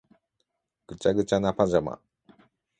ぐちゃぐちゃなパジャマ